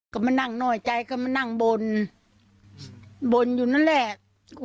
ก็มานั่งน้อยใจก็มานั่งบนบนอยู่นั่นแหละ